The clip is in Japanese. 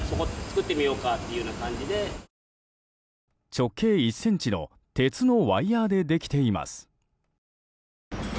直径１ｃｍの鉄のワイヤでできています。